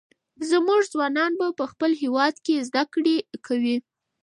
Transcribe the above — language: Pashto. زموږ ځوانان به په خپل هېواد کې زده کړې کوي.